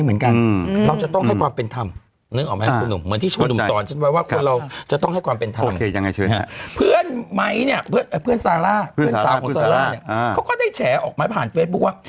ขึ้นสาระเพื่อนสาวของสาระเขาก็ได้แฉอออกมาผ่านเฟซบุ๊คว่า